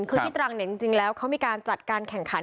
คือที่ตรังเนี่ยจริงแล้วเขามีการจัดการแข่งขัน